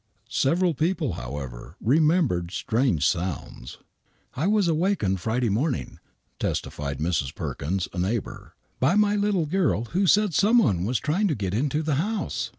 Severrl people, however, remembered strange sounds. " I was awakened Friday morning," testified Mrs. Perkins, a neighbor, " by my little girl, who said some one was trying to get into the house.